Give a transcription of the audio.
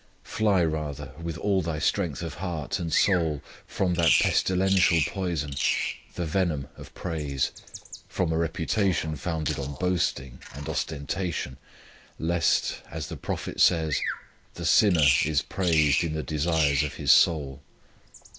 Fly rather with all thy strength of heart and soul from that pestilential poison, the venom of praise, from a reputa tion founded on boasting and os tentation, lest, as the Prophet says, " The sinner is praised in the desires of his soul."